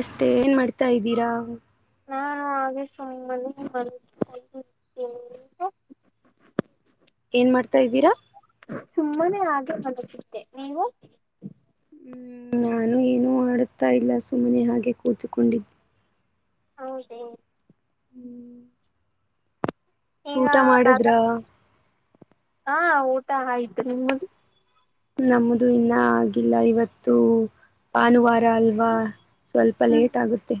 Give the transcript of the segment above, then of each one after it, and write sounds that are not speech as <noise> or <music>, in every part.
ಅಷ್ಟೆ ಏನ್ ಮಾಡ್ತಾ ಇದ್ದೀರಾ ನಾ ಆ ಸ್ವಾಯಲ್ಲಿ <unintelligible> ಏನ್ ಮಾಡ್ತಾ ಇದ್ದೀರಾ ಸುಮ್ಮನೆೇ ಆಿ ಬದುಕುತ್ತೆ ನೀವು ಹ್ಮ ನಾನು ಏನುೂ ಆಡುತ್ತಾ ಇಲ್ಲ ಸುಮ್ಮನೆ ಹಾಗೆ ಕೂತ್ಕೊಂಡಿದ್ದ ಹೌದ ಹ್ಞೂ ಈಗ ಮಾಡಿದ್ರ ಹಾ ಊಟ ಆಯ್ತು ನಿಮ್ದ್ ನಮ್ಮದು ಇನ್ನೂ ಆಗಿಲ್ಲ ಇವತ್ತು ಭಾನುವಾರ ಅಲ್ವಾ ಸ್ವಲ್ಪ ಹ್ಮ್ ಲೇಟ್ ಆಗುತ್ತೆ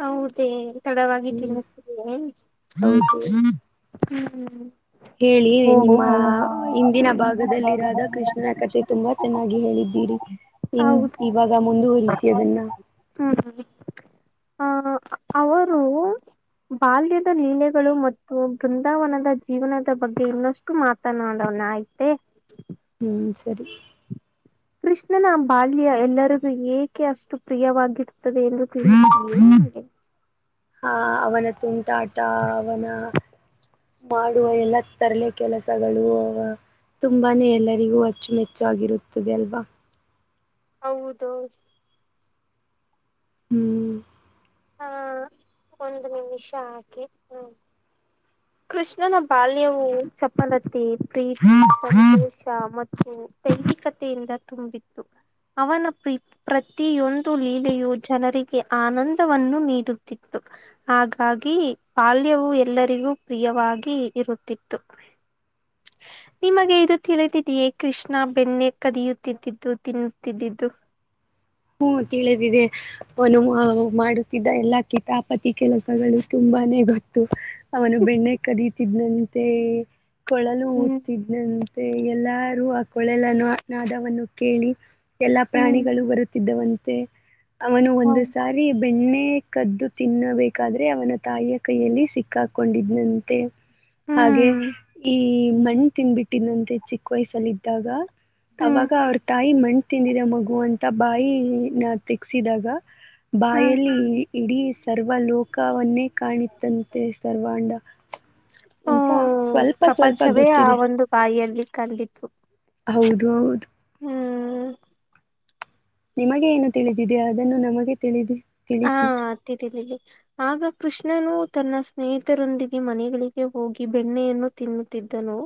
ಹೌದೇ ಹ್ಮ್ ತಡವಾಗಿಟ್ಟ ಹ್ಮ್ ಹೌದು ಹೇಳಿ ಓಹೋ ನಿಮ್ಮ ಹಿಂದಿನ ನಿಮ್ಮ ಭಾಗದಲ್ಲಿರದ ಮುಂದಿನ ಕೃಷ್ಣನ ಕತೆೆ ತುಂಬಾ ಭಾಗದಲ್ಲಿರೋದು ಚೆನ್ನಾಗಿ ಹೇಳಿದ್ದೀರಿ ಇನ್ ಹೌದು ಇವಾಗ ಮುಂದುವರಿಸಿ ಅದನ್ನ ಹ್ಮ ಹ ಆ ಅವರು ಬಾಲ್ಯದ ಲೀಲೆಗಳು ಮತ್ತು ಬೃಂದಾವನದ ಜೀವನದ ಬಗ್ಗೆ ಇನ್ನಷ್ಟು ಮಾತಾನಾೋಡವನ ಆಯ್ತೆ ಹ್ಮ್ ಸರಿ ಕೃಷ್ಣನ ಬಾಲ್ಯ ಎಲ್ಲರಿಗೂ ಏಕೆ ಅಷ್ಟು ಪ್ರಿಯವಾಗಿರುತ್ತದೆ ಎಂದು ತಿಳ ಹಾ ಅವನ ತುಂಟಾಟ ಅವನ ಮಾಡುವ ಎಲ್ಲ ತರಲೆ ಕೆಲಸಗಳು ಅವ ತುಂಬಾೇ ಎಲ್ಲರಿಗೂ ಅಚ್ಚುಮೆಚ್ಚಾಗಿರುತ್ತದೆ ಅಲ್ವಾ ಹೌದೌದು ಹೂ ಹಾ ಒಂದು ನಿಮಿಷ ಹಾಕಿ ಹ್ಮ ಕೃಷ್ಣನ ಬಾಲ್ಯವು ಚಪಲತೆ ಪ್ರೀತಿ ಸಂತೋಷ ಮತ್ತು ತೈಂಗಿಕತೆಯಿಂದ ತುಂಬಿತ್ತು ಅವನ ಪ್ರೀತಿ ಪ್ರತಿಯೊಂದು ಲೀಲೆಯು ಜನರಿಗೆ ಆನಂದವನ್ನು ನೀಡುತ್ತಿತ್ತು ಹಾಗಾಗಿ ಬಾಲ್ಯವು ಎಲ್ಲರಿಗೂ ಪ್ರಿಯವಾಗಿ ಇರುತ್ತಿತ್ತು ಹ ನಿಮಗೆ ಇದು ತಿಳಿದಿದೀಯೇ ಕೃಷ್ಣ ಬೆಣ್ಣೆ ಕದಿಯುತ್ತಿದ್ದಿದ್ದು ತಿನ್ನುತ್ತಿದ್ದಿದ್ದು ಹೂ ತಿಳದಿದೆ ಒನು ಮಾಡುತ್ತಿದ್ದ ಎಲ್ಲಾ ಕಿತಾಪತಿ ಕೆಲಸಗಳು ತುಂಬಾನೇ ಗೊತ್ತು ಅವನು ಬೆಣ್ಣೆ ಕದೀತಿದನಂತೆ ಕೊಳಲು ಹ್ಮ್ ಊತ ಇದ್ದಂತೆ ಎಲ್ಲಾರೂ ಆ ಕೊಳಲ ನ ನಾದವನ್ನು ಕೇಳಿ ಎಲ್ಲಾ ಹ್ಮ್ ಪ್ರಾಣಿಗಳು ಬರುತ್ತಿದ್ದವಂತೆ ಅವನು ಹೌ ಒಂದು ಸಾರಿ ಬೆಣ್ಣೆ ಕದ್ದು ತಿನ್ನಬೇಕಾದ್ರೆ ಅವನ ತಾಯಿಯ ಕೈಯಲ್ಲಿ ಸಿಕ್ಕಾಕೊಂಡಿದಂತೆ ಹಾಗೆ ಹ್ಮ್ ಈ ಮಣ್ಣು ತಿನ್ಬಿಟ್ಟಿದಂತೆ ಚಿಕ್ಕ ವಯಸ್ಸಲ್ಲಿದ್ದಾಗ ಹ್ಮ್ ಅವಾಗ ಅವ್ರ ತಾಯಿ ಮಣ್ು ತಿಂದಿದೆ ಮಗು ಅಂತ ಬಾಯಿನ ತೆಗ್ಸಿದಾಗ ಹ್ಮ್ ಬಾಯಲ್ಲಿ ಇಡೀ ಸರ್ವ ಲೋಕವನ್ನೇ ಕಾಣಿತಂತೆ ಸರ್ವಾಂಡ ಹೂ ಅಂತ ಸ್ವಲ್ಪ ಸ್ವಲ್ಪ ಪ್ರಪಂಚವೇ ಆ ಗೊತ್ತಿದೆ ಒಂದು ಬಾಯಿಯಲ್ಲಿ ಕಂಡಿತ್ತು ಹೌದು ಹೌದು ಹೂ ನಿಮಗೆ ಏನು ತಿಳಿದಿದೆ ಅದನ್ನು ನಮಗೆ ತಿಳಿದ ತಿಳಿಸಿ ಮಾತಿದ್ದನಿ <unintelligible> ಆಗ ಕೃಷ್ಣನು ತನ್ನ ಸ್ನೇಹಿತರೊಂದಿಗೆ ಮನೆಗಳಿಗೆ ಹೋಗಿ ಬೆಣ್ಣೆಯನ್ನು ತಿನ್ನುತ್ತಿದ್ದನು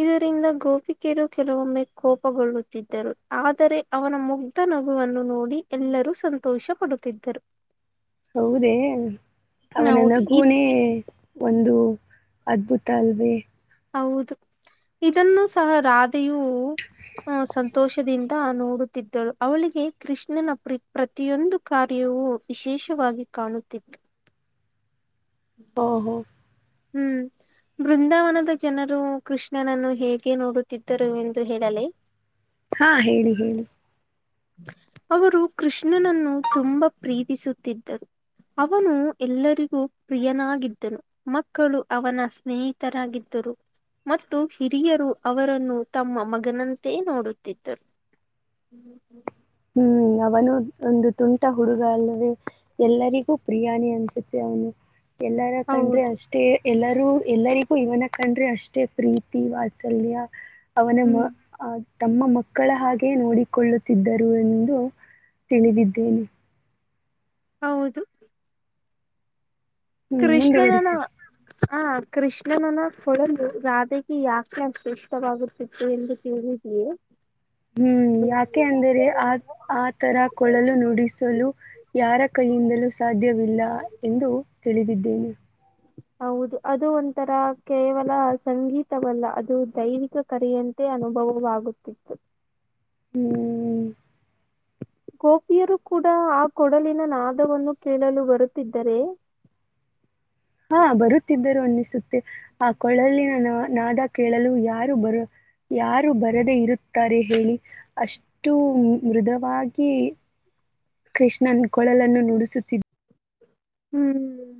ಇದರಿಂದ ಗೋಪಿಕೆರು ಕೆಲವೊಮ್ಮೆ ಕೋಪಗೊಳ್ಳುತ್ತಿದ್ದರು ಆದರೆ ಅವನ ಮುಗ್ಧ ನಗುವನು ನೋಡಿ ಎಲ್ಲರೂ ಸಂತೋಷ ಪಡುತ್ತಿದ್ದರು ಹೌದೇ ಅವನ ಹೌದು ಇದ್ ನಗುನೇ ಒಂದು ಅದ್ಭುತ ಅಲ್ವೇ ಹೌದು ಇದನ್ನು ಸಹ ರಾಧೆಯು ಹ ಸಂತೋಷದಿಂದ ನೋಡುತ ಳು ಅವಳಿಗೆ ಕೃಷ್ಣನ ಪ್ರ ಪ್ರತಿಯೊಂದು ಕಾರ್ಯವೂ ವಿಶೇಷವಾಗಿ ಕಾಣುತ್ತಿತ್ತು ಹಓ ಹೋ ಹೂ ಬೃಂದಾವನದ ಜನರು ಕೃಷ್ಣನನ್ನು ಹೇಗೆ ನೋಡುತ್ತಿದ್ದರು ಎಂದು ಹೇಳಲಿ ಹಾ ಹೇಳಿ ಹೇಳಿ ಅವರು ಕೃಷ್ಣನನ್ನು ತುಂಬಾ ಪ್ರೀತಿಸುತ್ತಿದ್ದರು ಅವನು ಎಲ್ಲರಿಗೂ ಪ್ರಿಯನಾಗಿದ್ದನು ಮಕ್ಕಳು ಅವನ ಸ್ನೇಹಿತರಾಗಿದ್ದರು ಮತ್ತು ಹಿರಿಯರು ಅವರನ್ನು ತಮ್ಮ ಮಗನಂತೆ ನೋಡುತ್ತಿದ್ದರು ಹೂ ಹೂ ಅವನು ಒಂದು ತುಂಟ ಹುಡುಗ ಅಲ್ಲವೆ ಎಲ್ಲರಿಗೂ ಪ್ರಿಯಾನಿ ಅನ್ಸುತ್ತೆ ಅವನು ಎಲ್ಲರ ಕಂಡ್ರೆ ಹೌದು ಅಷ್ಟೇ ಎಲ್ಲರೂ ಎಲ್ಲರಿಗೂ ಇವನ ಕಂಡ್ರೆ ಅಷ್ಟೇ ಪ್ರೀತಿ ವಾತ್ಸಲ್ಯ ಅವನ ಹ್ಮ್ ಮ ಆ ತಮ್ಮ ಮಕ್ಕಳ ಹಾಗೆ ನೋಡಿಕೊಳ್ಳುತ್ತಿದ್ದರು ಎಂದು ತಿಳಿದಿದ್ದೇನೆ ಹೌದು ಹ್ಮ್ ಕೃಷ್ಣನನ ಮುಂದುವರಿಸಿ ಹ ಕೃಷ್ಣನನ್ನ ಕೊಡದು ರಾಧೆಗೆ ಯಾಕೆ ಅಷ್ಟು ಇಷ್ಟವಾಗುತ್ತಿತ್ತು ಎಂದು ತಿೇಳಿದೇ ಹ್ಮ್ ಯಾಕೆ ಅಂದರೆ ಆ ಆ ತರ ಕೊಳಲು ನುಡಿಸಲು ಯಾರ ಕೈಯಿಂದಲೂ ಸಾಧ್ಯವಿಲ್ಲ ಎಂದು ತಿಳಿದಿದ್ದೇನೆ ಹೌದು ಅದು ಒಂಥರ ಕೇವಲ ಸಂಗೀತವಲ್ಲ ಅದು ದೈವಿಕ ಕರೆಯಂತ ಅನುಭವವಾಗುತ್ತಿತ್ತು ಹ್ಮ್.... ಗೋಪಿಯರು ಕೂಡ ಆ ಕೊಡಲಿನ ನಾದವನ್ನು ಕೇಳಲು ಬರುತ್ತಿದ್ದರೆ ಹಾ ಬರುತ್ತಿದ್ದರು ಅನ್ನಿಸುತ್ತೆ ಆ ಕೊೊಳ್ಳಲ್ಲಿಿನ ನ ನಾದ ಕೇಳಲು ಯಾರು ಬರು ಯಾರು ಬರದೆೇ ಇರುತ್ತಾರೆ ಹೇಳಿ ಅಷ್ಟು ಮೃದವಾಗಿ ಕೃಷ್ಣನ್ ಕೊಳಲನ್ನು ನುಡಿಸುತ್ತಿದ್ದ ಹ್ಮ್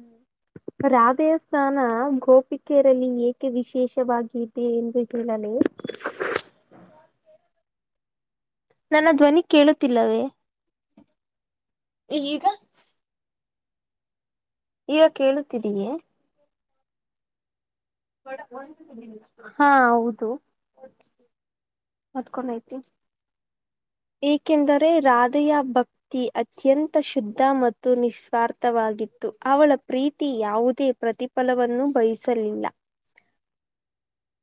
ರಾಧೆಯ ಸ್ಥಾನ ಗೋಪಿಕೆಯರಲ್ಲಿ ಏಕೆ ವಿಶೇಷವಾಗಿದೆ ಎಂದು ಹೇಳಲು ನನ್ನ ಧ್ವನಿ ಕೇಳುತ್ತಿಲ್ಲವೇ ಈಗ ಈಗ ಕೇಳುತ್ತಿದೀಯೇ <inaudible> ಹಾ ಹೌದು ಮತ್ಕೊಂಡೈತಿ ಏಕೆಂದರೆ ರಾಧೆಯ ಭಕ್ತಿ- ಅತ್ಯಂತ ಶುದ್ಧ ಮತ್ತು ನಿಸ್ವಾರ್ಥವಾಗಿತ್ತು ಅವಳ ಪ್ರೀತಿ ಯಾವುದೇ ಪ್ರತಿ- ಫಲವನ್ನು ಬಯಸಲಿಲ್ಲ